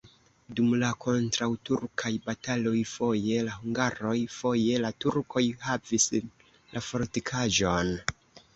Dum la kontraŭturkaj bataloj foje la hungaroj, foje la turkoj havis la fortikaĵon.